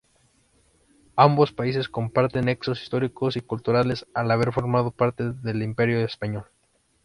Ambos países comparten nexos históricos y culturales al haber formado parte del Imperio español.